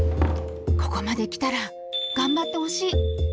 ここまで来たら頑張ってほしい。